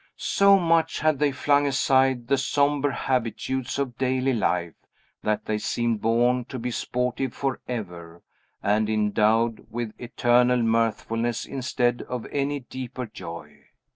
So much had they flung aside the sombre habitudes of daily life, that they seemed born to be sportive forever, and endowed with eternal mirthfulness instead of any deeper joy.